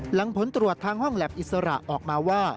หลังผลตรวจทางห้องแล็บอิสระออกมาว่า